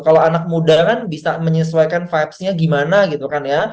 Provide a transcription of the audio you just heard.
kalo anak muda kan bisa menyesuaikan vibes nya gimana gitu kan ya